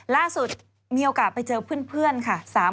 ล่าสุดมีโอกาสไปเจอเพื่อนค่ะ